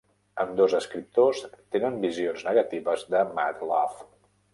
Ambdós escriptors tenen visions negatives de "Mad Love".